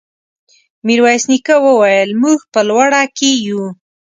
ميرويس نيکه وويل: موږ په لوړه کې يو.